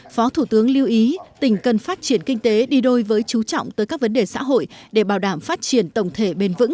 phó thủ tướng lưu ý tỉnh cần phát triển kinh tế đi đôi với chú trọng tới các vấn đề xã hội để bảo đảm phát triển tổng thể bền vững